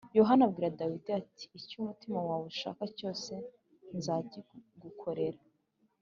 Yonatani abwira Dawidi ati “Icyo umutima wawe ushaka cyose nzakigukorera.”